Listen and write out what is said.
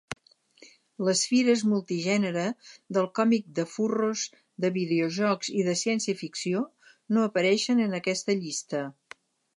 Les fires multigènere, del còmic, de "furros", de videojocs i de ciència-ficció no apareixen en aquesta llista.